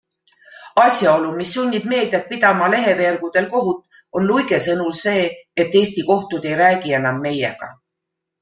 Asjaolu, mis sunnib meediat pidama leheveergudel kohut, on Luige sõnul see, et Eesti kohtud ei räägi enam meiega.